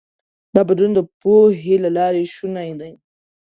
دا بدلون د پوهې له لارې شونی دی.